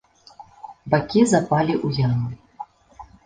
Бакі запалі ў ямы.